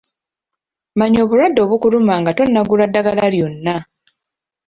Manya obulwadde obukuluma nga tonnagula ddagala lyonna.